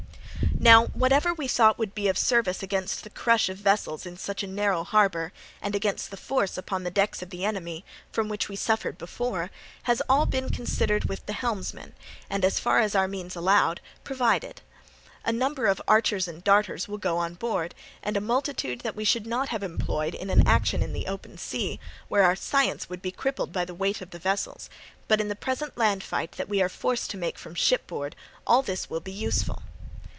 "Now, whatever we thought would be of service against the crush of vessels in such a narrow harbour, and against the force upon the decks of the enemy, from which we suffered before, has all been considered with the helmsmen, and, as far as our means allowed, provided. A number of archers and darters will go on board, and a multitude that we should not have employed in an action in the open sea, where our science would be crippled by the weight of the vessels; but in the present land fight that we are forced to make from shipboard all this will be useful.